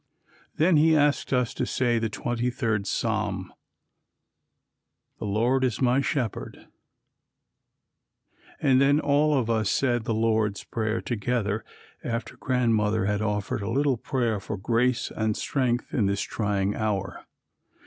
Then he asked us to say the 23d Psalm, "The Lord is my Shepherd," and then all of us said the Lord's Prayer together after Grandmother had offered a little prayer for grace and strength in this trying hour.